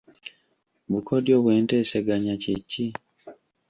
Bukodyo bw'enteesaganya kye ki?